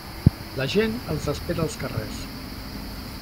La gent els espera als carrers.